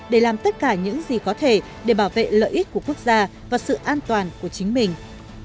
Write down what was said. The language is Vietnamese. để làm tất cả những gì có thể để bảo vệ lợi ích của quốc gia và sự an toàn của chính mình